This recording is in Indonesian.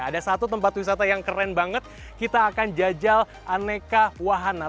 ada satu tempat wisata yang keren banget kita akan jajal aneka wahana